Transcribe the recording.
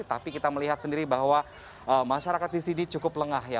tapi kita melihat sendiri bahwa masyarakat di sini cukup lengah ya